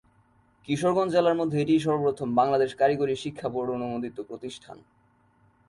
কিশোরগঞ্জ জেলার মধ্যে এটিই সর্বপ্রথম বাংলাদেশ কারিগরি শিক্ষাবোর্ড অনুমোদিত প্রতিষ্ঠান।